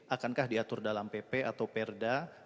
akankah diatur dalam pp atau perda